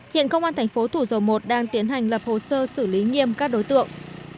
hiện công an thành phố thủ dầu một đang tiến hành lập hồ sơ xử lý nghiêm các đối tượng